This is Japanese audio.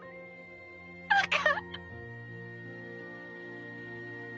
バカ。